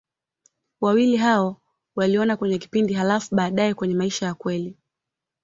Wawili hao waliona kwenye kipindi, halafu baadaye kwenye maisha ya kweli.